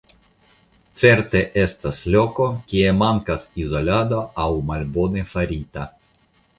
Certe estas loko kie mankas izolado aŭ malbone farita.